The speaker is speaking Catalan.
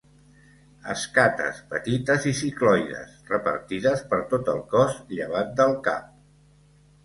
Escates petites i cicloides, repartides per tot el cos llevat del cap.